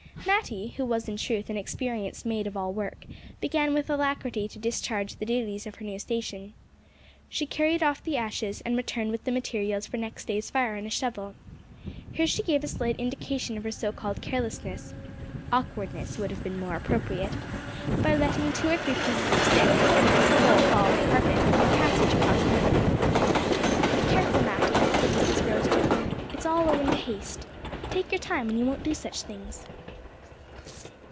Matty, who was in truth an experienced maid of all work, began with alacrity to discharge the duties of her new station. She carried off the ashes, and returned with the materials for next day's fire in a shovel. Here she gave a slight indication of her so called carelessness (awkwardness would have been more appropriate) by letting two or three pieces of stick and a bit of coal fall on the carpet, in her passage across the room. "Be careful, Matty," said Mrs Rose gently. "It's all owin' to haste. Take your time, an' you won't do such things."